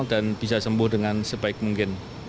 dan bisa sembuh dengan sebaik mungkin